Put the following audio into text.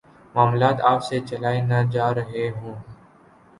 معاملات آپ سے چلائے نہ جا رہے ہوں۔